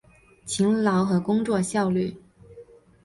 勤劳和工作效率